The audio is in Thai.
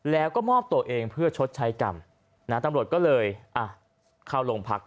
แล้วก็มอบตัวเองเพื่อชดใช้กรรมนะตำรวจก็เลยอ่ะเข้าโรงพัก